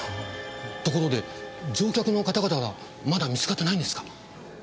ところで乗客の方々はまだ見つかってないんですか？